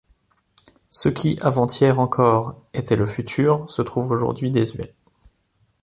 Ce qui avant-hier encore était le futur se trouve aujourd'hui désuet.